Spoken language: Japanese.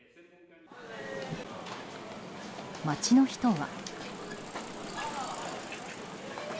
街の人は。